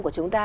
của chúng ta